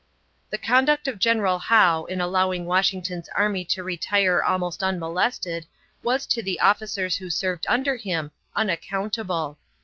The conduct of General Howe in allowing Washington's army to retire almost unmolested was to the officers who served under him unaccountable.